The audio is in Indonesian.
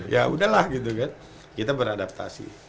ya udahlah gitu kan kita beradaptasi